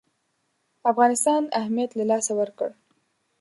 افغانستان اهمیت له لاسه ورکړ.